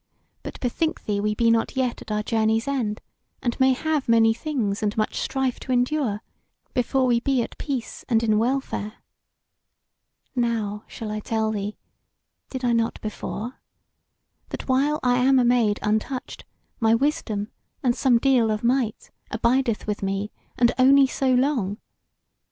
But bethink thee we be not yet at our journey's end, and may have many things and much strife to endure, before we be at peace and in welfare. Now shall I tell thee did I not before? that while I am a maid untouched, my wisdom, and somedeal of might, abideth with me, and only so long.